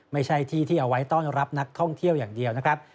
ไม่ใช่ที่ที่เอาไว้ต้อนรับนักท่องเที่ยวอย่างเดียวนะครับ